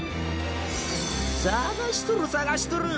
捜しとる捜しとる！